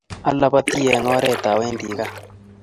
Alabati eng oret awendi gaa